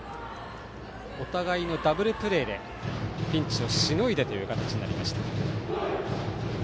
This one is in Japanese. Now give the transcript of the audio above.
お互いのダブルプレーでピンチをしのいでという感じになりました。